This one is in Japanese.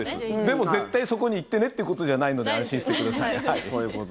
でも絶対そこに行ってねということじゃないので安心してください。